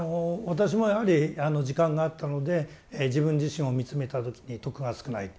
私もやはり時間があったので自分自身を見つめた時に徳が少ない